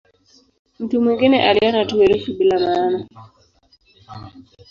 Mtu mwingine aliona tu herufi bila maana.